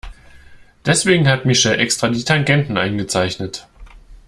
Deswegen hat Michelle extra die Tangenten eingezeichnet.